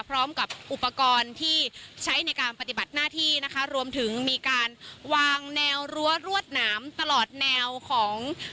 พร้อมกับอุปกรณ์ที่ใช้ในการปฏิบัติหน้าที่นะคะรวมถึงมีการวางแนวรั้วรวดหนามตลอดแนวของ